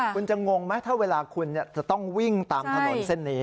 คุณจะงงไหมถ้าเวลาคุณจะต้องวิ่งตามถนนเส้นนี้